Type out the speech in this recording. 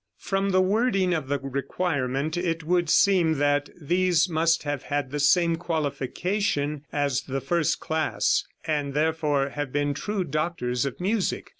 From the wording of the requirement it would seem that these must have had the same qualification as the first class, and therefore have been true doctors of music.